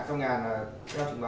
trong ngàn là theo trình báo